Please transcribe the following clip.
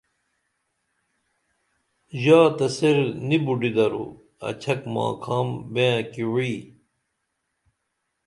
ژا تہ سیر نی بُڈی درو اچھک ماکھام بئنہ کی وعی